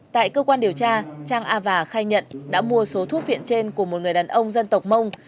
tại cơ quan điều tra trang a và khai nhận đã mua số thuốc phiện trên của một người đàn ông dân tộc mông